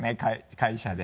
会社で。